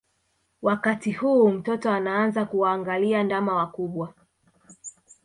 Wakati huu mtoto anaanza kuwaangalia ndama wakubwa